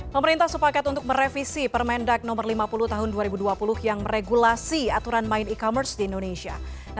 pemerintah sepakat untuk merevisi permendak no lima puluh tahun dua ribu dua puluh yang meregulasi aturan main e commerce di indonesia